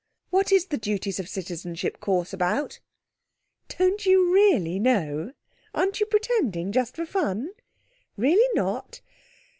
"What is the Duties of Citizenship Course about?" "Don't you really know? Aren't you pretending—just for fun? Really not?